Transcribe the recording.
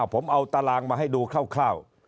ผมเอาตารางมาให้ดูคร่าว